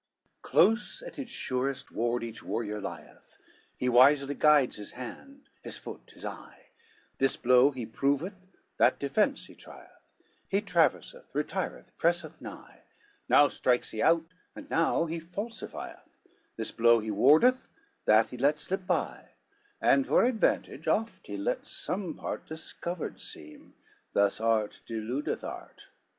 XLII Close at his surest ward each warrior lieth, He wisely guides his hand, his foot, his eye, This blow he proveth, that defence he trieth, He traverseth, retireth, presseth nigh, Now strikes he out, and now he falsifieth, This blow he wardeth, that he lets slip by, And for advantage oft he lets some part Discovered seem; thus art deludeth art.